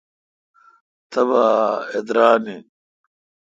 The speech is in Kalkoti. تبا اہ ادران این۔